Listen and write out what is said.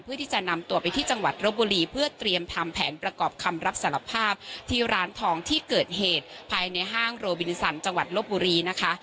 เพื่อที่จะนำตัวไปที่จังหวัดรบบุรีเพื่อเตรียมทำแผนประกอบคำรับสารภาพที่ร้านทองที่เกิดเหตุภายในห้างโรบินสันจังหวัดลบบุรีนะคะ